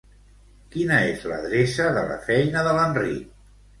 Quina és l'adreça de la feina de l'Enric?